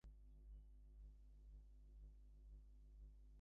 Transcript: Ties are broken by the rider with the most wins overall.